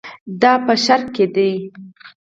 دا په شرق کې دي.